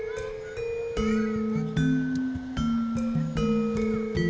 siapapa saja crises yang petty di masukkan